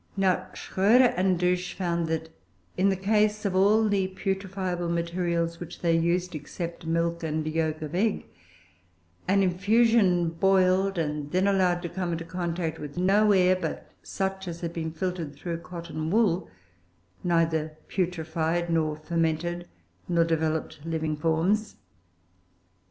Now, Schroeder and Dusch found, that, in the case of all the putrefiable materials which they used (except milk and yolk of egg), an infusion boiled, and then allowed to come into contact with no air but such as had been filtered through cotton wool, neither putrefied, nor fermented, nor developed living forms.